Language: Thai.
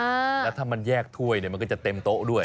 แล้วถ้ามันแยกถ้วยเนี่ยมันก็จะเต็มโต๊ะด้วย